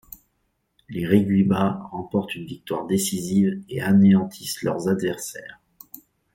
Les Reguibat remportent une victoire décisive et anéantissent leurs adversaires.